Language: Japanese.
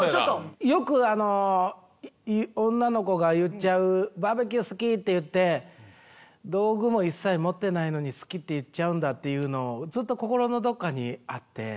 よくあの女の子が言っちゃうバーベキュー好き！って言って道具も一切持ってないのに好きって言っちゃうんだっていうのずっと心のどこかにあって。